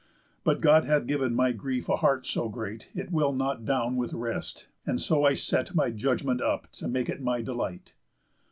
But God hath giv'n my grief a heart so great It will not down with rest, and so I set My judgment up to make it my delight.